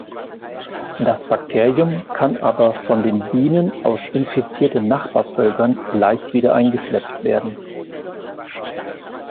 Das Bakterium kann aber von den Bienen aus infizierten Nachbarvölkern leicht wieder eingeschleppt werden.